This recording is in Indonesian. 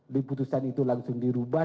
keputusan itu langsung dirubah